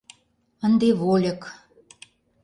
Ынде вольык...